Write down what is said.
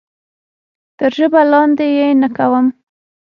تر ژبه لاندې یې نه کوم.